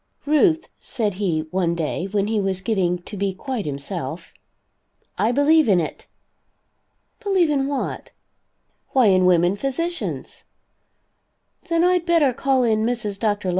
"Ruth," said he one day when he was getting to be quite himself, "I believe in it?" "Believe in what?" "Why, in women physicians." "Then, I'd better call in Mrs. Dr.